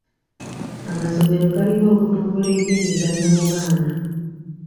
Amasomero galina okutumbula ebyemizannyo mu baana.